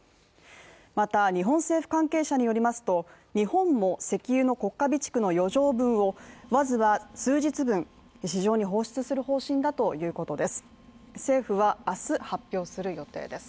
また日本政府関係者によりますと、日本も石油の国家備蓄の余剰分をまずは数日分、市場に放出する方針だということです。